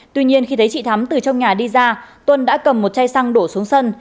tuy nhiên khi thấy chị thắm từ trong nhà đi ra tuân đã cầm một chai xăng đổ xuống sân